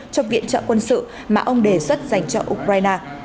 cho viện trợ quân sự mà ông đề xuất dành cho ukraine